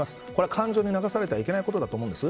感情に流されてはいけないことだと思うんです。